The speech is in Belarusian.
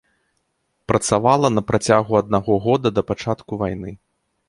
Працавала на працягу аднаго года да пачатку вайны.